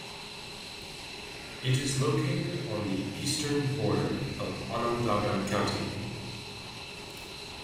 It is located on the eastern border of Onondaga County.